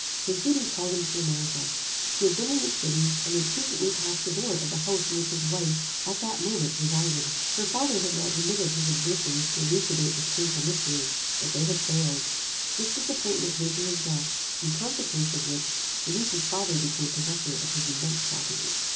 His duty called him to America. He had been in this city, and had frequently passed the door of the house in which his wife, at that moment, resided. Her father had not remitted his exertions to elucidate this painful mystery, but they had failed. This disappointment hastened his death; in consequence of which, Louisa's father became possessor of his immense property."